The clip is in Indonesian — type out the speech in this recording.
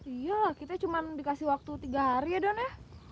iya kita cuma dikasih waktu tiga hari ya don ya